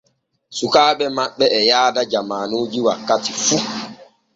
Sukaaɓe maɓɓe e yaada jamaanuji wakkati fu.